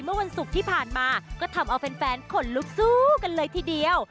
เมื่อวันศุกร์ที่ผ่านมาก็ทำเอาแฟนขนลุกสู้กันเลยทีเดียว